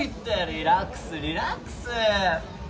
リラックスリラックス！